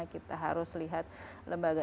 kita harus lihat lembaga